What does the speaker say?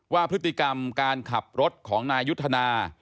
ว่าพฤติกรรมการขับรถของนายยุทธนา